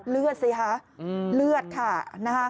เลือดสิคะเลือดค่ะ